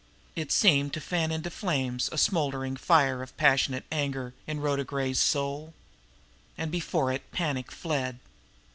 It seemed to fan into flame a smoldering fire of passionate anger in Rhoda Gray's soul. And before it panic fled.